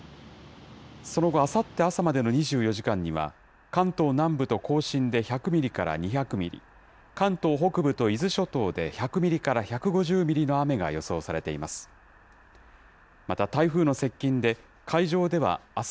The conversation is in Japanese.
その後、あさって朝までの２４時間には、関東南部と甲信で１００ミリから２００ミリ、関東北部と伊豆諸島で１００ミリから１５０ミリの雨が予想されています。